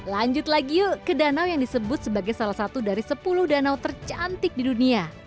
lanjut lagi yuk ke danau yang disebut sebagai salah satu dari sepuluh danau tercantik di dunia